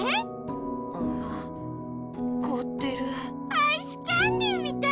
アイスキャンデーみたい！